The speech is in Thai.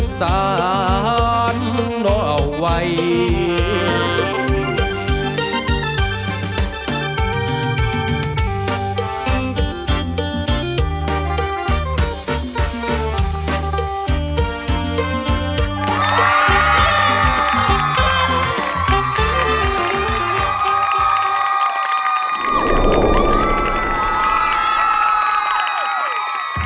เธอไม่รู้ว่าเธอไม่รู้